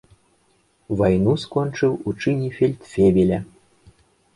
Вайну скончыў у чыне фельдфебеля.